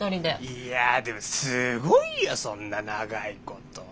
いやでもすごいよそんな長いこと。